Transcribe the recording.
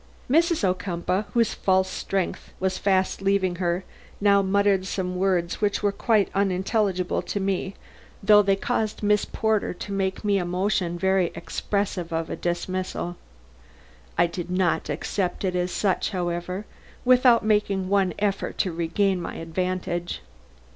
Mrs. Ocumpaugh, whose false strength was fast leaving her, now muttered some words which were quite unintelligible to me, though they caused Miss Porter to make me a motion very expressive of a dismissal. I did not accept it as such, however, without making one effort to regain my advantage.